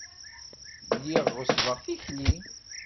Lliɣ ɣeṣṣbeɣ tikli.